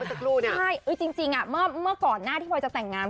ใช่จริงเมื่อก่อนหน้าที่พลอยจะแต่งงาน